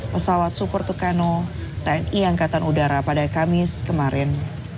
pesawat super tucano tni angkatan udara pada kamis kemarin